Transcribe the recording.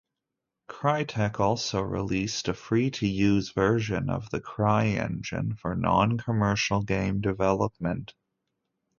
Crytek also released a free-to-use version of the CryEngine for non-commercial game development.